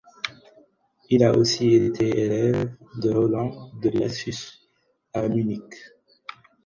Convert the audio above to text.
Il a aussi été élève de Roland de Lassus à Munich.